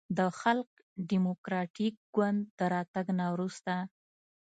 د خلق دیموکراتیک ګوند د راتګ نه وروسته